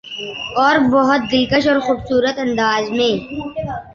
اور بہت دلکش اورخوبصورت انداز میں